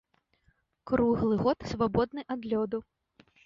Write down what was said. Круглы год свабодны ад лёду.